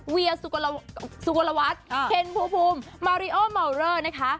เวียสุกลวัฒน์เคนภูมิมาริโอเมาเลอร์นะคะ